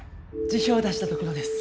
辞表出したところです。